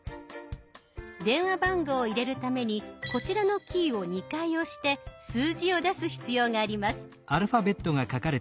電話番号を入れるためにこちらのキーを２回押して数字を出す必要があります。